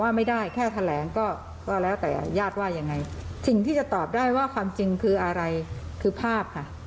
เพราะฉะนั้นเราได้ยืนยันว่าต้องได้รูปค่ะ